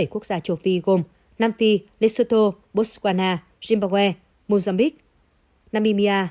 bảy quốc gia châu phi gồm nam phi lesotho botswana zimbabwe mozambique namibia